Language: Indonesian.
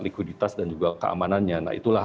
likuiditas dan juga keamanannya nah itulah